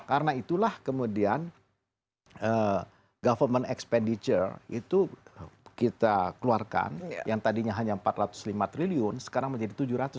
karena itulah kemudian government expenditure itu kita keluarkan yang tadinya hanya empat ratus lima triliun sekarang menjadi tujuh ratus triliun